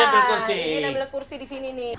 ambil kursi disini nih